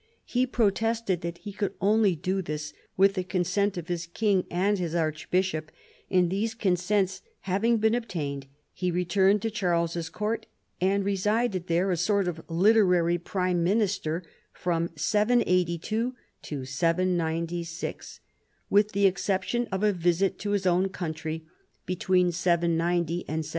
He protested that he could only do this with the consent of his king and his archbishop, and these consents having been obtained he returned to Charles's court and re sided there, a sort of literary prime minister, from 782 to 796, with the exception of a visit to his own country between 790 and 792.